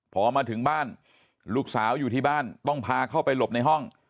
พอมาถึงบ้านลูกสาวอยู่ที่บ้านต้องพาเข้าไปหลบในห้อง